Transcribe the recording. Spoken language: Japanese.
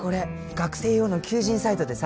学生用の求人サイトでさ。